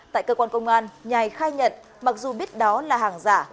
tại cơ quan công an nhài khai nhận mặc dù biết đó là hàng giả